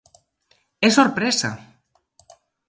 E sorpresa!